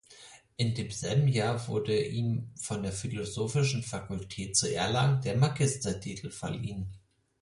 In demselben Jahr wurde ihm von der philosophischen Fakultät zu Erlangen der Magistertitel verliehen.